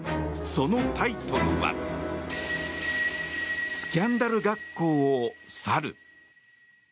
そのタイトルは「スキャンダル学校を去る」。